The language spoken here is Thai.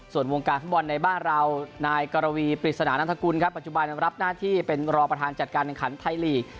ส่วนวงการฟุตบอลในบ้านเรานายกรวีปริศนานันทกุลครับปัจจุบันรับหน้าที่เป็นรอประธานจัดการแข่งขันไทยลีก